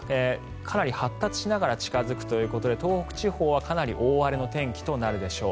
かなり発達しながら近付くということで東北地方はかなり大荒れの天気となるでしょう。